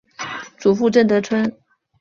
祖父郑得春。